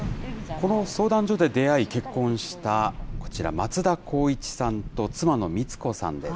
この相談所で出会い結婚した、こちら、松田浩一さんと妻のミツコさんです。